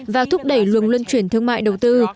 và thúc đẩy luồng luân chuyển thương mại đầu tư